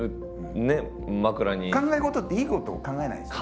考え事っていいこと考えないでしょ？